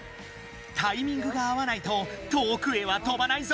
タイミングが合わないと遠くへは飛ばないぞ。